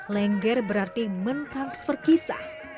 lengger berarti mentransfer kisah